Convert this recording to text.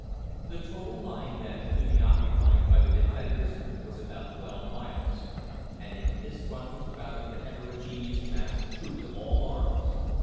The total line, then, to be occupied by the defenders was about twelve miles, and into this front was crowded the heterogeneous mass of troops of all arms.